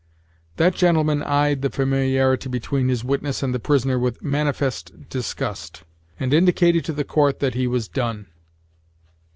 That gentleman eyed the familiarity between his witness and the prisoner with manifest disgust, and indicated to the court that he was done.